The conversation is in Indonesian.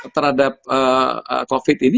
terhadap covid ini